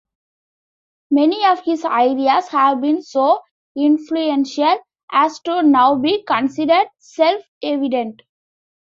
Many of his ideas have been so influential as to now be considered self-evident.